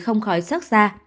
không khỏi xót xa